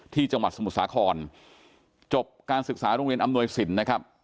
จังหวัดสมุทรสาครจบการศึกษาโรงเรียนอำนวยสินนะครับ